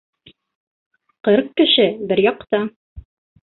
Ҡырҡ кеше бер яҡта